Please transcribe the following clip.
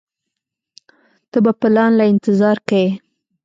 ته به پلان له انتظار کيې.